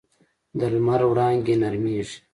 د لمر وړانګې نرمېږي